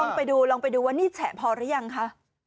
ไปดูลองไปดูว่านี่แฉะพอหรือยังคะ